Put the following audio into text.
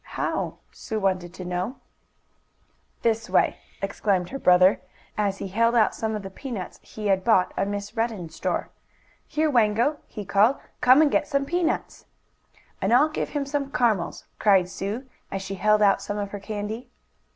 "How?" Sue wanted to know. "This way!" exclaimed her brother, as he held out some of the peanuts he had bought at Miss Redden's store. "Here, Wango!" he called. "Come and get some peanuts!" "And I'll give him some caramels," cried Sue, as she held out some of her candy.